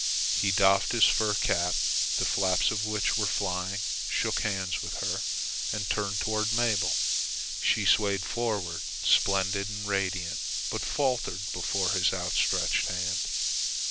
He doffed his fur cap, the flaps of which were flying, shook hands with her, and turned toward Mabel. She swayed forward, splendid and radiant, but faltered before his outstretched hand.